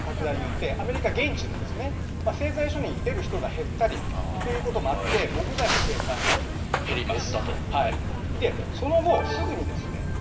まず、新型コロナの感染拡大によって、アメリカ現地の製材所に出る人が減ったりということもあって、木材の生産が減ります。